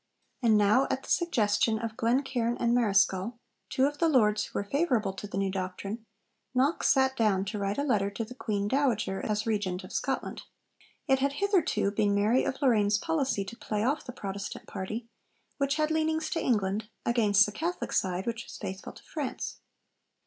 And now, at the suggestion of Glencairn and Marischal, two of the lords who were favourable to the new doctrine, Knox sat down to write a letter to the Queen Dowager, as Regent of Scotland. It had hitherto been Mary of Lorraine's policy to play off the Protestant party, which had leanings to England, against the Catholic side, which was faithful to France.